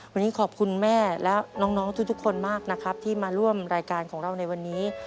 วันนี้ขอบคุณแม่และน้องทุกคนมากนะครับที่มาร่วมรายการของเราในวันนี้